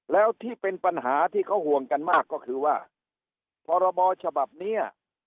แล้วที่เป็นปัญหาที่เขาห่วงกันมากก็คือว่าพรบฉบับนี้